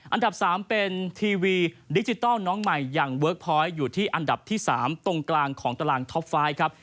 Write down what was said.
อันดับ๓เป็นทีวีดิจิทัลน้องใหม่อย่างเวิร์คพอยต์อยู่ที่อันดับที่๓ตรงกลางของตารางท็อปไฟต์ครับ